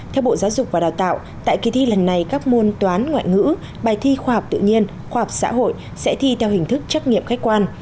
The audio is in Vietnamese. theo bộ giáo dục và đào tạo tại kỳ thi lần này các môn toán ngoại ngữ bài thi khoa học tự nhiên khoa học xã hội sẽ thi theo hình thức trắc nghiệm khách quan